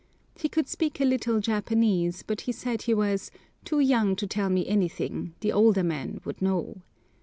He could speak a little Japanese, but he said he was "too young to tell me anything, the older men would know."